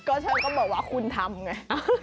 ก็ฉันก็บอกว่าคุณทำไง